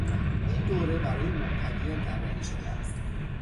این دوره برای مبتدیان طراحی شده است.